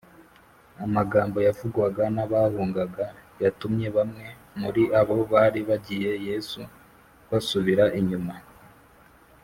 amagambo yavugwaga n’abahungaga yatumye bamwe muri abo bari bagiye yesu basubira inyuma